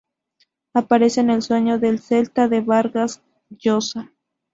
Aparece en "El sueño del Celta" de Vargas Llosa.